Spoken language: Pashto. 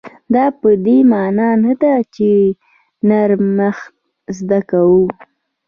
دا په دې مانا نه ده چې نرمښت زده و.